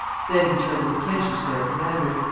Then he turned his attention to their commander.